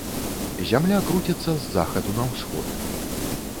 Зямля круціцца з захаду на ўсход.